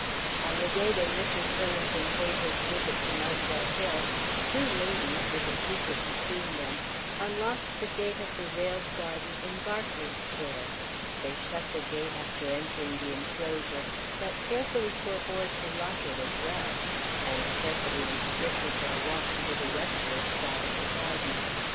On the day when Richard Turlington paid his visit to Muswell Hill, two ladies (with a secret between them) unlocked the gate of the railed garden in Berkeley Square. They shut the gate after entering the inclosure, but carefully forbore to lock it as well, and carefully restricted their walk to the westward side of the garden.